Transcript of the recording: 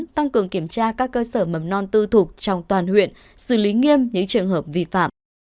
tăng cường kiểm tra các cơ sở mầm non tư thục trong toàn huyện xử lý nghiêm những trường hợp vi phạm